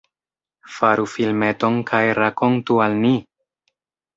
Faru filmeton kaj rakontu al ni!